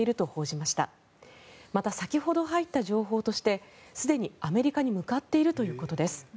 また、先ほど入った情報としてすでにアメリカに向かっているということです。